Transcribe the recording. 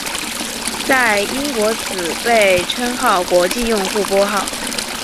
在英国此被称为国际用户拨号。